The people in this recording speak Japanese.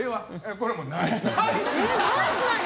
これはもう、ナイスですね。